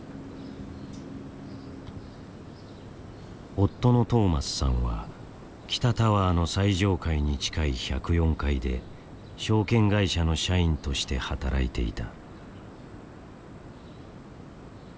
夫のトーマスさんは北タワーの最上階に近い１０４階で証券会社の社員として働いていた。